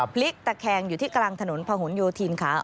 พลิกตะแคงอยู่ที่กลางถนนพะหนโยธินขา